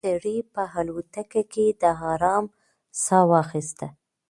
کمونيسټ سړي په الوتکه کې د ارام ساه واخيسته.